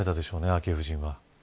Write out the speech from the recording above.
昭恵夫人は。